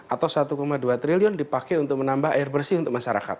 atau satu dua triliun dipakai untuk menambah air bersih untuk masyarakat